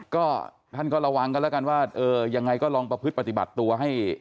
ก็ท่านก็ระวังกันแล้วกันว่าเออยังไงก็ลองประพฤติปฏิบัติตัวให้